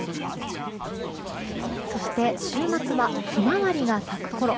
そして、週末はヒマワリが咲くころ。